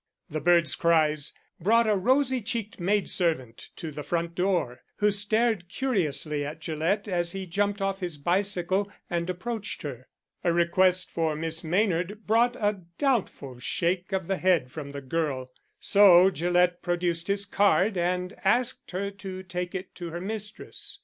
The bird's cries brought a rosy cheeked maidservant to the front door, who stared curiously at Gillett as he jumped off his bicycle and approached her. A request for Miss Maynard brought a doubtful shake of the head from the girl, so Gillett produced his card and asked her to take it to her mistress.